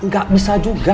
gak bisa juga